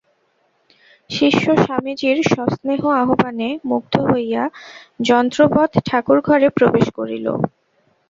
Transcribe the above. শিষ্য স্বামীজীর সস্নেহ আহ্বানে মুগ্ধ হইয়া যন্ত্রবৎ ঠাকুরঘরে প্রবেশ করিল।